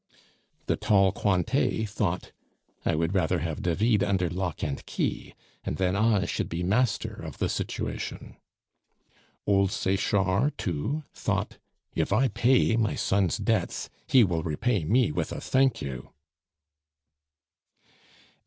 The tall Cointet thought, "I would rather have David under lock and key, and then I should be master of the situation." Old Sechard, too, thought, "If I pay my son's debts, he will repay me with a 'Thank you!